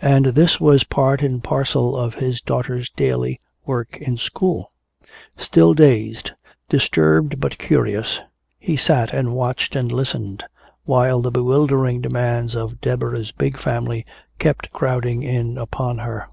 And this was part and parcel of his daughter's daily work in school! Still dazed, disturbed but curious, he sat and watched and listened, while the bewildering demands of Deborah's big family kept crowding in upon her.